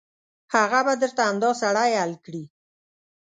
هغه به درته همدا سړی حل کړي.